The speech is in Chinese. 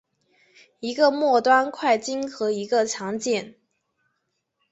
一个末端炔烃和一个强碱。